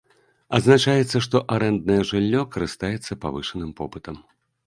Адзначаецца, што арэнднае жыллё карыстаецца павышаным попытам.